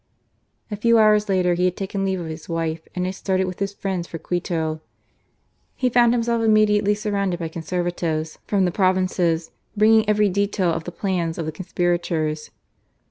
A few hours later he had taken leave of his wife and had started with his friends ifM Quito. He found himself immediate^ sur* .rounded by Conservatives from the province, bringing every detail of the plans of the con spirators.